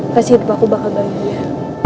kasih hidup aku bakal baik dia